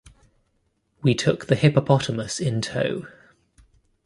We took the hippopotamus in tow.